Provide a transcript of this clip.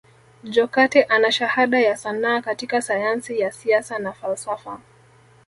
Jokate ana shahada ya sanaa katika sayansi ya Siasa na falsafa